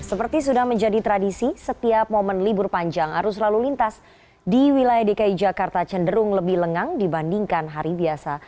seperti sudah menjadi tradisi setiap momen libur panjang arus lalu lintas di wilayah dki jakarta cenderung lebih lengang dibandingkan hari biasa